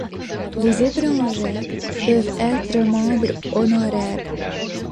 Les étrangers peuvent être membres honoraires.